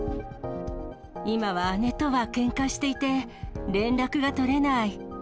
今は姉とはけんかしていて、連絡が取れない。